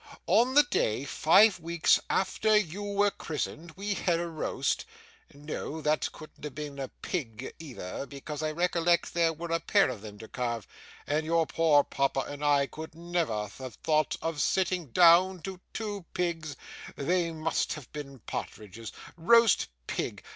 On the day five weeks after you were christened, we had a roast no, that couldn't have been a pig, either, because I recollect there were a pair of them to carve, and your poor papa and I could never have thought of sitting down to two pigs they must have been partridges. Roast pig!